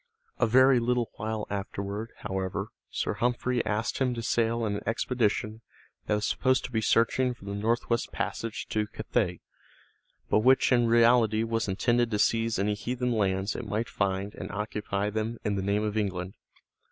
A very little while afterward, however, Sir Humphrey asked him to sail in an expedition that was supposed to be searching for the northwest passage to Cathay, but which in reality was intended to seize any heathen lands it might find and occupy them in the name of England.